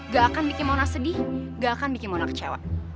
gak akan bikin monas sedih gak akan bikin monas kecewa